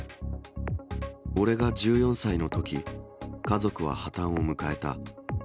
俺が１４歳のとき、家族は破綻を迎えた。